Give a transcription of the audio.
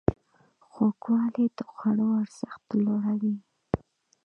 خوږوالی د خوړو ارزښت لوړوي.